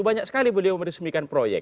banyak sekali beliau meresmikan proyek